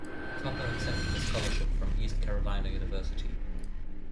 Copper accepted a scholarship from East Carolina University.